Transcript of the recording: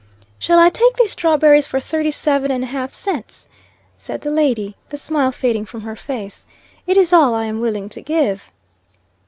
"Shall I take these strawberries for thirty seven and a half cents?" said the lady, the smile fading from her face. "It is all I am willing to give."